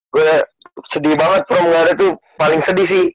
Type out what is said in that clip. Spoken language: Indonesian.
gue sedih banget promore itu paling sedih sih